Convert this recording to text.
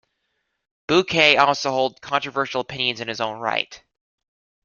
Bukay also holds controversial opinions in his own right.